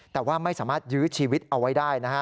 แต่ว่าไม่สามารถยื้อชีวิตเอาไว้ได้นะฮะ